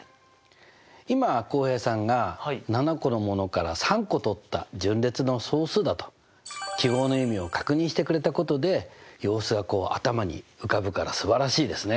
今浩平さんが７個のものから３個とった順列の総数だと記号の意味を確認してくれたことで様子が頭に浮かぶからすばらしいですね。